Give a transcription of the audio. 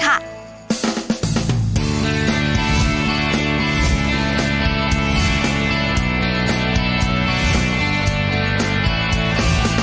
เจ้าพี่ไม่ได้เลย